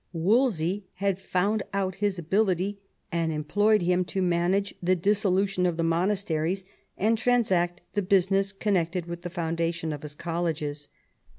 Wolsey had found out his ability, and employed him to manage the dissolution of the monasteries, and transact the business connected with the foundation of his colleges.